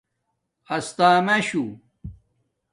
استݳماشُو